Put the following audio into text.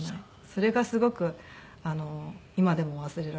それがすごく今でも忘れられなくて。